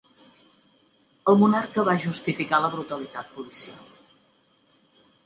El monarca va justificar la brutalitat policial.